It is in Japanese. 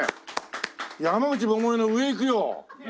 山口百恵の上いくよ。